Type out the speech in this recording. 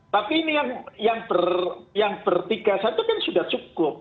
tapi ini yang p tiga satu kan sudah cukup